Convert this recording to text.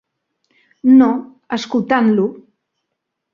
No, escoltant-lo.